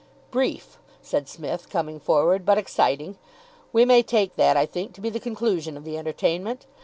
"Brief," said Psmith, coming forward, "but exciting. We may take that, I think, to be the conclusion of the entertainment.